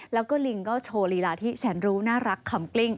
แล้วก็ลิงก็โชว์ลีลาที่แสนรู้น่ารักขำกลิ้ง